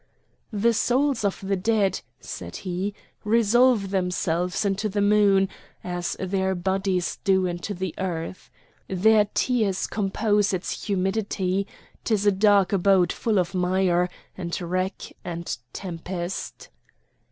"The souls of the dead," said he, "resolve themselves into the moon, as their bodies do into the earth. Their tears compose its humidity; 'Tis a dark abode full of mire, and wreck, and tempest."